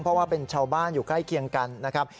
เพราะว่าเป็นชาวบ้านอยู่ใกล้เคียงกันนะครับ